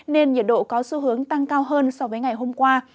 nên nhiệt độ có xu hướng tăng cao hơn so với ngày hôm qua